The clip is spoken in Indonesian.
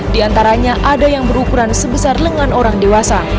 di antaranya ada yang berukuran sebesar lengan orang dewasa